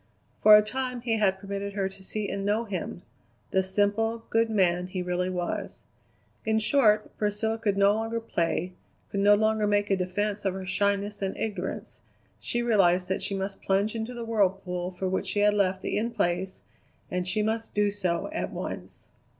For a time he had permitted her to see and know him the simple, good man he really was. In short, Priscilla could no longer play, could no longer make a defence of her shyness and ignorance; she realized that she must plunge into the whirlpool for which she had left the In Place and she must do so at once.